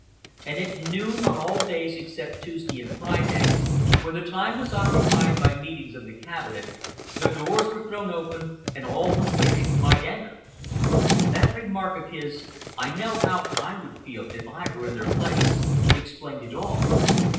And at noon on all days except Tuesday and Friday, when the time was occupied by meetings of the cabinet, the doors were thrown open, and all who wished might enter. That remark of his, "I know how I would feel if I were in their place," explained it all.